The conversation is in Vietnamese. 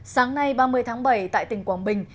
sáng nay ba mươi tháng bảy tại tỉnh quảng bình